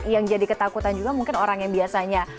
yang jadi ketakutan juga mungkin orang yang biasanya